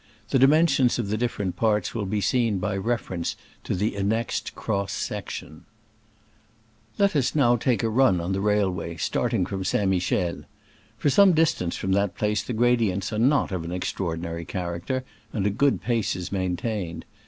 The dimensions of the dif THE CENTRE RAIL ON A CURVE. ferent parts will be seen by reference to the annexed cross section ; 8OALE OF FEET Let us now take a run on the railway, starting from St. Michel. For some distance from that place the gradients are not of an extraordinary character, and a good pace is maintained.